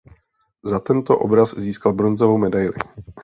Za tento obraz získal bronzovou medaili.